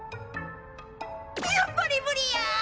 やっぱりむりや！